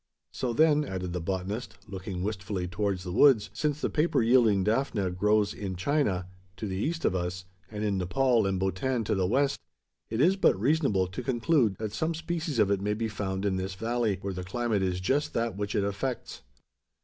So then," added the botanist, looking wistfully towards the woods, "since the paper yielding daphne grows in China, to the east of us, and in Nepaul and Bhotan to the west, it is but reasonable to conclude that some species of it may be found in this valley where the climate is just that which it affects.